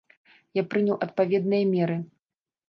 Я прыняў адпаведныя меры.